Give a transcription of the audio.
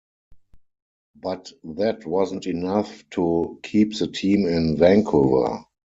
But that wasn't enough to keep the team in Vancouver.